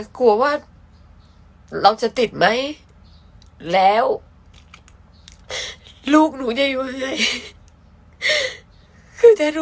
ก็มาแล่วมีคำว่าเราจะติดไหมแล้วลูกหนูจะอยู่อย่างไร